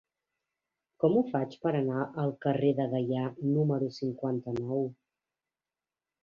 Com ho faig per anar al carrer de Deià número cinquanta-nou?